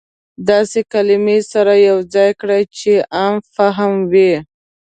داسې کلمې سره يو ځاى کړى چې عام فهمه وي.